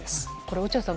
落合さん